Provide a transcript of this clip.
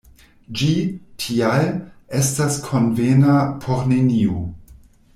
Ĝi, tial, estas konvena por neniu.